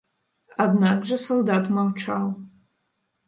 Аднак жа салдат маўчаў.